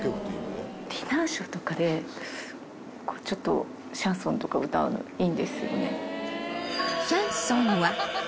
ディナーショーとかでちょっとシャンソンとか歌うのいいんですよね。